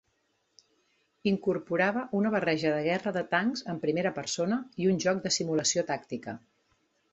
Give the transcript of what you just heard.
Incorporava una barreja de guerra de tancs en primera persona i un joc de simulació tàctica.